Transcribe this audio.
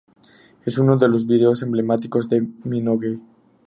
Es uno de los vídeos emblemáticos de Minogue.